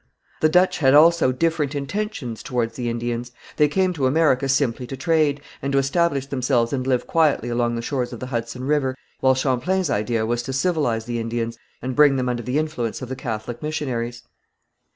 The Dutch had also different intentions towards the Indians. They came to America simply to trade, and to establish themselves and live quietly along the shores of the Hudson River, while Champlain's idea was to civilize the Indians and bring them under the influence of the Catholic missionaries.